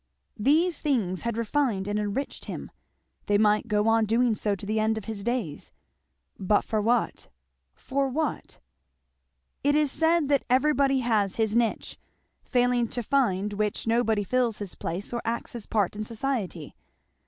These things had refined and enriched him; they might go on doing so to the end of his days; but for what? For what? It is said that everybody has his niche, failing to find which nobody fills his place or acts his part in society.